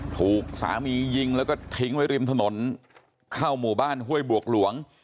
ถูกสามียิงแล้วก็ทิ้งไว้ริมถนนเข้าหมู่บ้านห้วยบวกหลวง